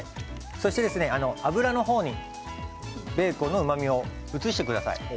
そして油の方にベーコンのうまみを移してください。